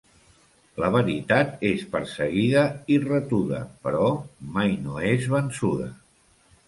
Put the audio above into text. La veritat és perseguida i retuda, però mai no és vençuda.